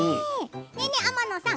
天野さん